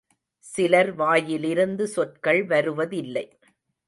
சிலர் வாயிலிருந்து சொற்கள் வருவதில்லை.